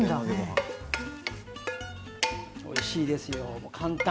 おいしいですよ、簡単。